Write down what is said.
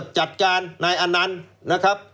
จับจานนายอานานนะครับ